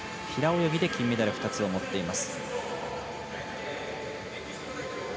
平泳ぎで金メダルを２つ持っています。